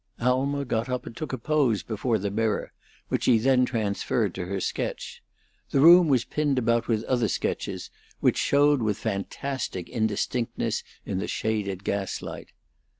Alma got up and took a pose before the mirror, which she then transferred to her sketch. The room was pinned about with other sketches, which showed with fantastic indistinctness in the shaded gaslight.